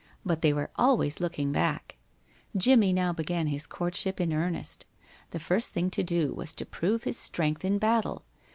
But they were always looking back. Jimmie now began his courtship in earnest. The first thing to do was to prove his strength in battle.